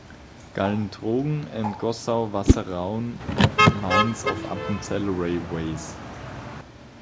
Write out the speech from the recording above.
Gallen–Trogen and Gossau–Wasserauen lines of Appenzell Railways.